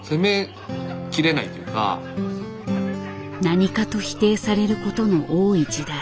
何かと否定されることの多い時代。